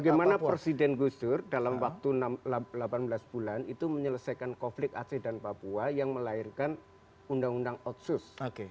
bagaimana presiden gus dur dalam waktu delapan belas bulan itu menyelesaikan konflik aceh dan papua yang melahirkan undang undang otsus